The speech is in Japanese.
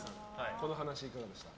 この話いかがでしたか？